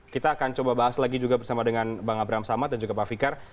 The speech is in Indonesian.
kita akan coba bahas lagi juga bersama dengan bang abraham samad dan juga pak fikar